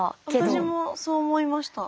私もそう思いました。